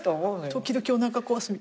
時々おなか壊す。